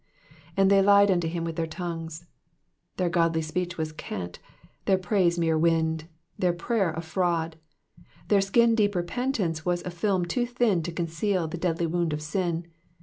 "^And they lied unto him with their tongues,^'* Their godly speech was cant, their praise mere wind, their prayer a fraud. Their skin deep repentance was a film too thin to conceal the deadly wound of sin.